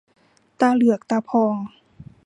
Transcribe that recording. ตาเหลือกตาพอง